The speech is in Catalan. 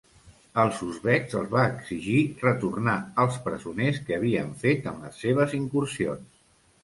Als uzbeks els va exigir retornar als presoners que havien fet en les seves incursions.